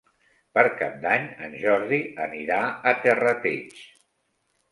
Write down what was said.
Per Cap d'Any en Jordi anirà a Terrateig.